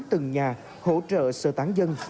từng nhà hỗ trợ sơ tán dân